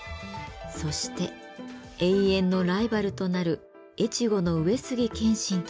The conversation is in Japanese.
そして永遠のライバルとなる越後の上杉謙信と戦うことになります。